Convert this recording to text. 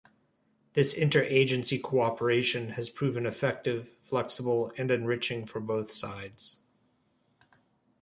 This inter-agency cooperation has proven effective, flexible and enriching for both sides.